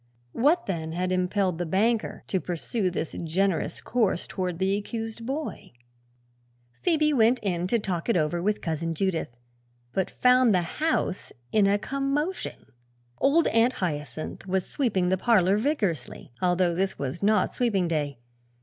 What, then, had impelled the banker to pursue this generous course toward the accused boy? Phoebe went in to talk it over with Cousin Judith, but found the house in a commotion. Old Aunt Hyacinth was sweeping the parlor vigorously, although this was not sweeping day.